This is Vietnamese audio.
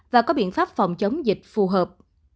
và có biện pháp phòng chống dịch phù hợp